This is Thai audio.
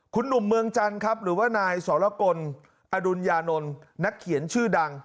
คุณหนุ่มเมืองจันทร์ครับหรือว่านายสรกลอดุญญานนท์นักเขียนชื่อดัง